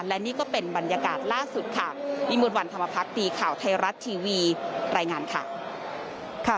และนี่ก็เป็นบรรยากาศล่าสุดค่ะวิมวลวันธรรมพักดีข่าวไทยรัฐทีวีรายงานค่ะ